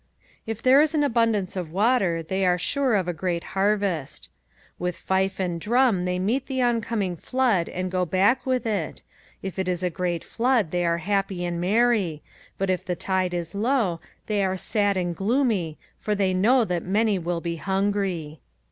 If there is an abundance of water they are sure of a great harvest. With fife and drum they meet the oncoming flood and go back with it; if it is a great flood they are happy and merry, but if the tide is low they are sad and gloomy for they know that many will be hungry.